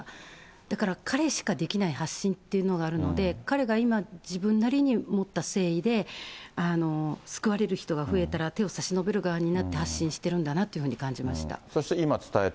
だから、彼しかできない発信っていうのがあるので、彼が今、自分なりに持った誠意で、救われる人が増えたら、手を差し伸べる側になって発信しているんだなと思いました。